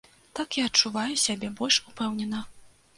Так я адчуваю сябе больш упэўнена.